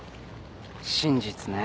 真実ね。